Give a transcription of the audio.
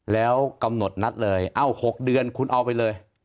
แล้วกำหนดนัดเลยเอ้า๖เดือนคุณเอาไปเลย